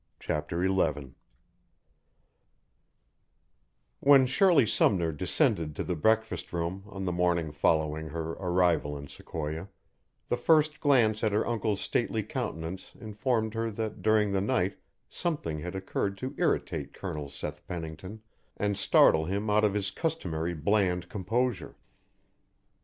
CHAPTER XI When Shirley Sumner descended to the breakfast room on the morning following her arrival in Sequoia, the first glance at her uncle's stately countenance informed her that during the night something had occurred to irritate Colonel Seth Pennington and startle him out of his customary bland composure.